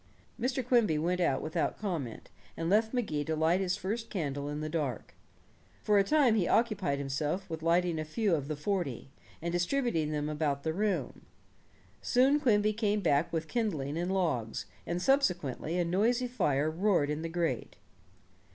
Mr. Quimby went out without comment, and left Magee to light his first candle in the dark. For a time he occupied himself with lighting a few of the forty, and distributing them about the room. Soon Quimby came back with kindling and logs, and subsequently a noisy fire roared in the grate.